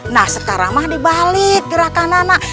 nah sekarang mah dibalik gerakan anak anak